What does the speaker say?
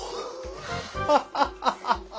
ハハハハ！